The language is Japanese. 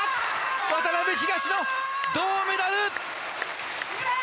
渡辺、東野、銅メダル！